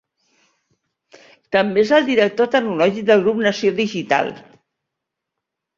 També és el director tecnològic del Grup Nació Digital.